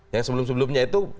yang sebelum sebelumnya itu